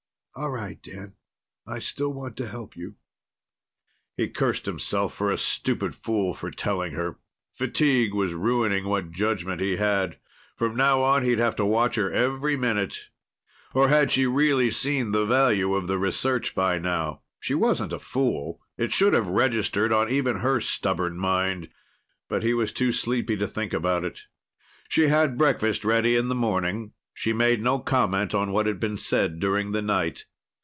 "All right, Dan. I still want to help you." He cursed himself for a stupid fool for telling her. Fatigue was ruining what judgment he had. From now on, he'd have to watch her every minute. Or had she really seen the value of the research by now? She wasn't a fool. It should have registered on even her stubborn mind. But he was too sleepy to think about it. She had breakfast ready in the morning. She made no comment on what had been said during the night.